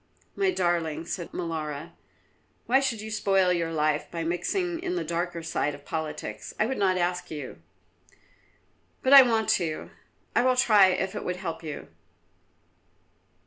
"My darling," said Molara, "why should you spoil your life by mixing in the darker side of politics? I would not ask you." "But I want to. I will try if it would help you."